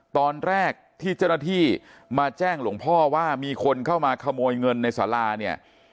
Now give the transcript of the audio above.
ตอนแรกที่เจ้าหน้าที่มาแจ้งหลวงพ่อว่ามีคนเข้ามาขโมยเงินในสาราเนี่ย